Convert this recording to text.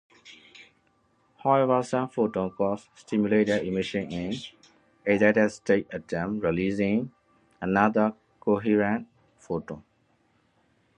However, some photons cause stimulated emission in excited-state atoms, releasing another coherent photon.